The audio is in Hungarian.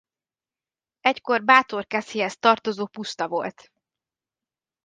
Egykor Bátorkeszihez tartozó puszta volt.